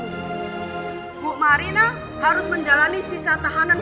ibu marina harus menjalani sisa tahanan